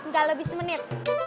gak lebih semenit